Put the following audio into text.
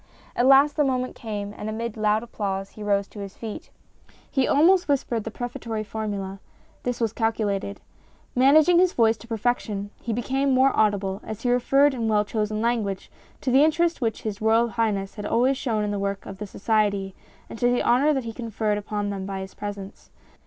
At last the moment came and amid loud applause he rose to his feet. He almost whispered the prefatory formula : this was MINIATURES 261 calculated. Managing his voice to perfection, he became more audible as he referred in well chosen language to the interest which His Royal Highness had always shown in the work of the Society and to the honour that he conferred upon them by his presence.